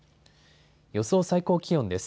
予想最高気温です。